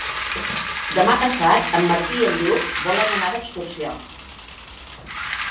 Demà passat en Martí i en Lluc volen anar d'excursió.